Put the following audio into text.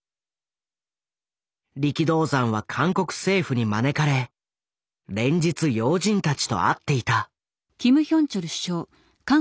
力道山は韓国政府に招かれ連日要人たちと会っていた。